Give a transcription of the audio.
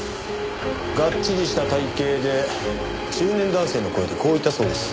がっちりした体形で中年男性の声でこう言ったそうです。